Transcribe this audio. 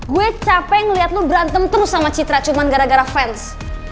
gue capek ngeliat lu berantem terus sama citra cuma gara gara fans